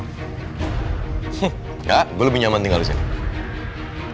hah gak gue lebih nyaman tinggal disini